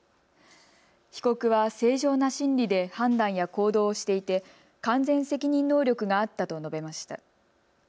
被告は正常な心理で判断や行動をしていて完全責任能力があったと述べました。